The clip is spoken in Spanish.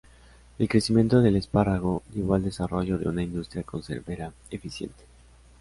El crecimiento del espárrago llevó al desarrollo de una industria conservera eficiente.